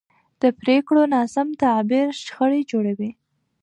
د پرېکړو ناسم تعبیر شخړې جوړوي